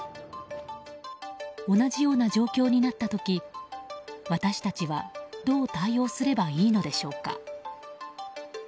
同じような状況になった時私たちはどう対応すればいいのでしょうか。